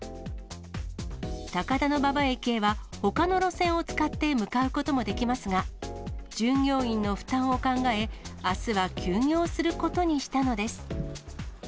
高田馬場駅へは、ほかの路線を使って向かうこともできますが、従業員の負担を考え、あすは休業することにしたのです。